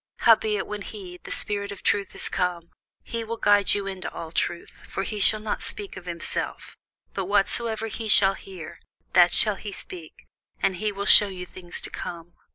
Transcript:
Howbeit when he, the Spirit of truth, is come, he will guide you into all truth: for he shall not speak of himself; but whatsoever he shall hear, that shall he speak: and he will shew you things to come.